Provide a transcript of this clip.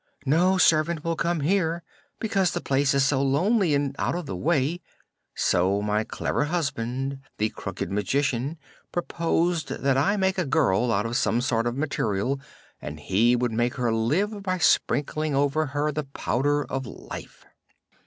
No servant will come here because the place is so lonely and out of the way, so my clever husband, the Crooked Magician, proposed that I make a girl out of some sort of material and he would make her live by sprinkling over her the Powder of Life.